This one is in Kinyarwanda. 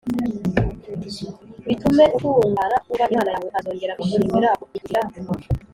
bitume ukungahara u Yehova Imana yawe azongera kwishimira kukugirira